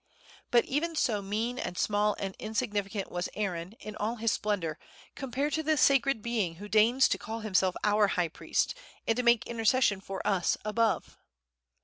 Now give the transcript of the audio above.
But even so mean, and small, and insignificant was Aaron, in all his splendor, compared to the sacred Being who deigns to call Himself our High Priest, and to make intercession for us above!"